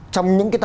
trong những cái tờ